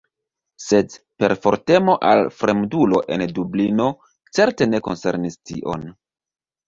Sed perfortemo al fremdulo en Dublino certe ne koncernis tion.